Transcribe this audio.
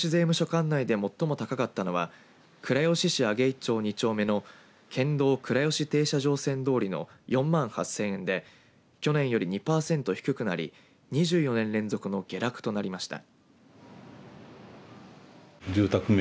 管内で最も高かったのは倉吉市上井町２丁目の県道倉吉停車場線通りの４万８０００円で去年より２パーセント低くなり２４年連続の下落となりました。